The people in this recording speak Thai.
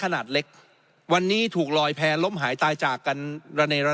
ขนาดเล็กวันนี้ถูกลอยแพ้ล้มหายตายจากกันระเนระ